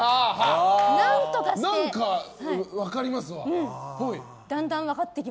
何か、分かりますわ。